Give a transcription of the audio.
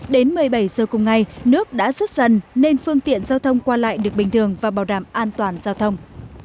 đến một mươi bảy h cùng ngày nước đã xuất sần nên phương tiện giao thông qua lại được bình thường và bảo đảm an toàn giao thông